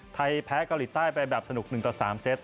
ไทยแพ้เกาหลีใต้ไปแบบสนุก๑ต่อ๓เซต